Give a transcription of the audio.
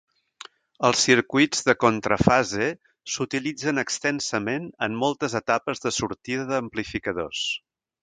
Els circuits de contrafase s'utilitzen extensament en moltes etapes de sortida d'amplificadors.